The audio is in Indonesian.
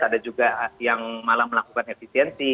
ada juga yang malah melakukan efisiensi